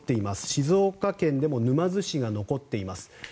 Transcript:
静岡県でも沼津市が残っています。